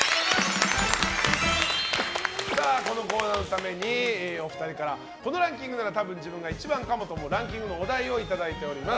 このコーナーのためにお二人からこのランキングなら多分自分が１番かもと思うランキングのお題をいただいております。